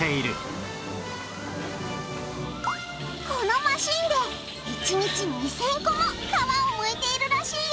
このマシンで１日２０００個も皮をむいているらしいよ。